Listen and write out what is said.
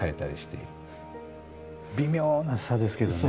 微妙な差ですけどね。